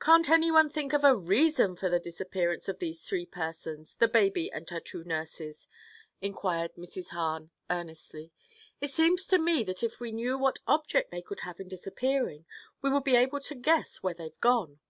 "Can't anyone think of a reason for the disappearance of these three persons—the baby and her two nurses?" inquired Mrs. Hahn earnestly. "It seems to me that if we knew what object they could have in disappearing, we would be able to guess where they've gone."